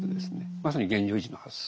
まさに現状維持の発想。